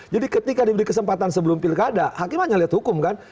jadi ketika diberi kesempatan sebelum pilkada hakimahnya lihat hukum kan